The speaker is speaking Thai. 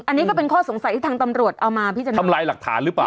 อันนี้ก็เป็นข้อสงสัยที่ทางตำรวจเอามาพิจารณาทำลายหลักฐานหรือเปล่า